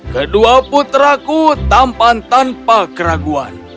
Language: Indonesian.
kedua putra ku tampan tanpa keraguan